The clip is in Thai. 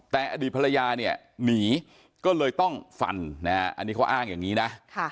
แต่อดีตภรรยาเนี่ยหนีก็เลยต้องฟันนะฮะอันนี้เขาอ้างอย่างนี้นะ